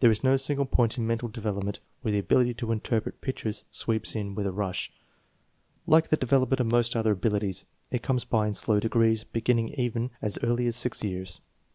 There is no single point in mental develop ment where the " ability to interpret pictures " sweeps in with a rush. Like the development of most other abili ties, it comes by slow degrees, beginning even as early as 6 years.